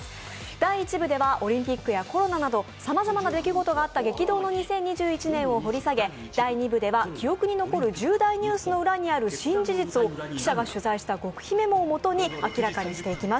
第一部ではオリンピックやコロナなどさまざまなことがあった激動の２０２１年を掘り下げ、第２部では記憶に残る重大ニュースの裏にある新事実を記者が取材した極秘メモを元に明らかにしていきます。